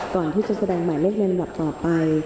ก่อนที่จะแสดงหมายเลขในลำดับต่อไป